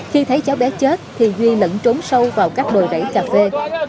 khi thấy cháu bé chết thì duy lẫn trốn sâu vào các đồi rảy cà phê